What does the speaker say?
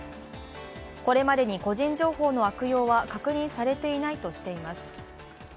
これまでに個人情報の悪用は確認されていないとしています。